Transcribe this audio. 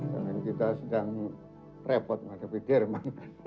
jangan kita sedang repot menghadapi jerman